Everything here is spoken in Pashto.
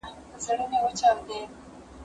دا لاس له هغه پاک دی!؟